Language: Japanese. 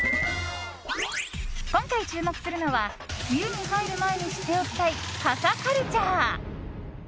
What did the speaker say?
今回注目するのは梅雨に入る前に知っておきたい傘カルチャー。